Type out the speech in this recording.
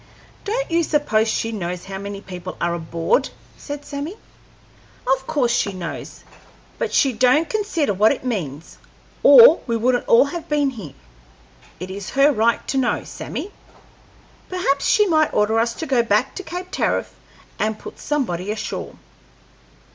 "Don't you suppose she knows how many people are aboard?" said Sammy. "Of course she knows; but she don't consider what it means, or we wouldn't all have been here. It is her right to know, Sammy. Perhaps she might order us to go back to Cape Tariff and put somebody ashore."